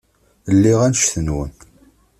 Lliɣ annect-nwen.